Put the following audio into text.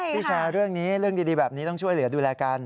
ที่แชร์เรื่องนี้เรื่องดีแบบนี้ต้องช่วยเหลือดูแลกัน